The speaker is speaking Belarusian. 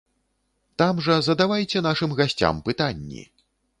Там жа задавайце нашым гасцям пытанні!